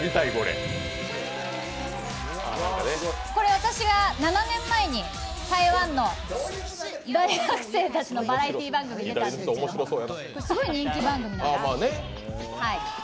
私が７年前に台湾の大学生たちのバラエティー番組に出たんですけどすごい人気番組なんですよ。